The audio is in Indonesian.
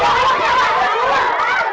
ada apa ini